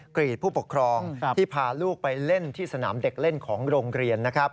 กรีดผู้ปกครองที่พาลูกไปเล่นที่สนามเด็กเล่นของโรงเรียนนะครับ